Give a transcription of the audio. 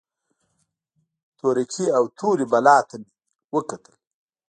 تورکي او تورې بلا ته مې وکتل.